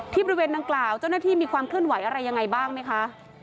บริเวณดังกล่าวเจ้าหน้าที่มีความเคลื่อนไหวอะไรยังไงบ้างไหมคะ